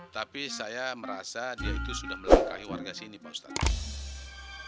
tapi saya merasa dia itu sudah melangkahi warga sini pak ustadz